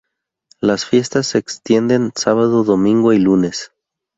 Las fiestas se extienden sábado, domingo y lunes.